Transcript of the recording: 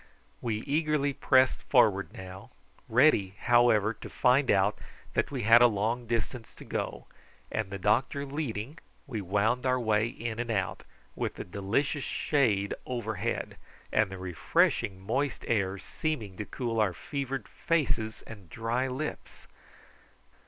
We eagerly pressed forward now, ready, however, to find that we had a long distance to go, and the doctor leading we wound our way in and out, with the delicious shade overhead, and the refreshing moist air seeming to cool our fevered faces and dry lips.